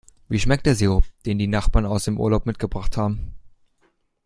Wie schmeckt der Sirup, den die Nachbarn aus dem Urlaub mitgebracht haben?